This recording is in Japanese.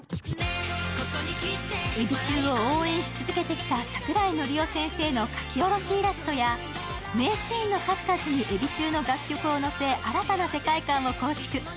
エビ中を応援し続けてきた桜井のりお先生の書き下ろしイラストや名シーンの数々にエビ中の楽曲を乗せて、新たな世界観を構築。